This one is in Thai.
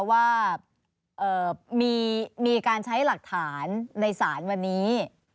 ว่ามีการใช้หลักฐานในศาลวันนี้